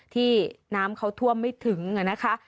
ที่น้ำเขาท่วมไม่ถึงนะคะ